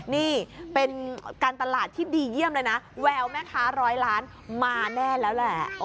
นี่เป็นการตลาดที่ดีเยี่ยมเลยนะแววแม่ค้าร้อยล้านมาแน่แล้วแหละ